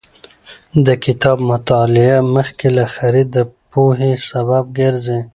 د کتاب مطالعه مخکې له خرید د پوهې سبب ګرځي.